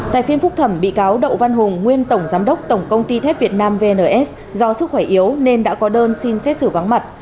tại phiên phúc thẩm bị cáo đậu văn hùng nguyên tổng giám đốc tổng công ty thép việt nam vns do sức khỏe yếu nên đã có đơn xin xét xử vắng mặt